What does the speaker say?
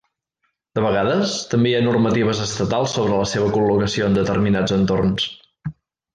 De vegades, també hi ha normatives estatals sobre la seva col locació en determinats entorns.